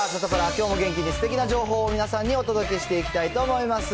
きょうも元気にすてきな情報を、皆さんにお届けしていきたいと思います。